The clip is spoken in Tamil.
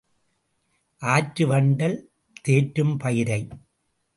ஆற்று வண்டல் தேற்றும் பயிரை.